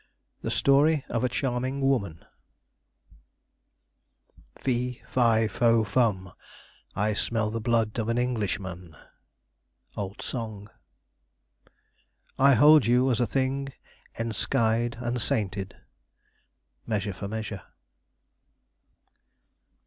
THE STORY OF A CHARMING WOMAN "Fe, fi, fo, fum, I smell the blood of an Englishman." Old Song. "I hold you as a thing enskied and sainted." Measure for Measure.